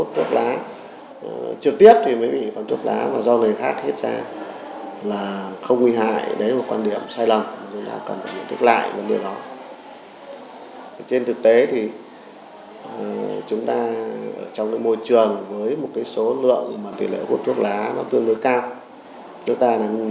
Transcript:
tại vì trong môi trường tỷ lệ hút thuốc lá tương đối cao